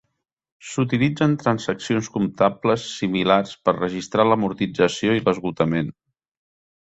S'utilitzen transaccions comptables similars per registrar l'amortització i l'esgotament.